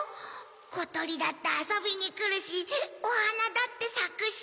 ことりだってあそびにくるしおはなだってさくし。